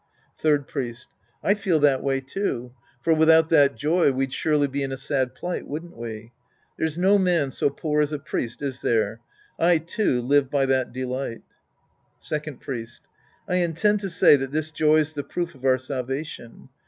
Third Priest. I feel that way, too. For without that joy we'd surely be in a sad plight, wouldn't we ? There's no man so poor as a priest, is there ? I, too, live by that delight. Second Priest. I intend to say that this joy's the proof of our salvation.